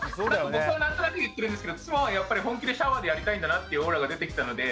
僕は何となく言ってるんですけど妻はやっぱり本気でシャワーでやりたいんだなっていうオーラが出てきたので。